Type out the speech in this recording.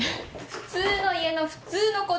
普通の家の普通の子ですよ。